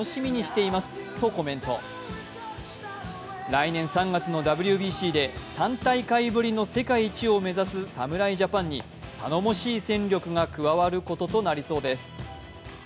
来年３月のＷＢＣで３大会ぶりの世界一を目指す侍ジャパンに頼もしい戦力が加わることになりそうです。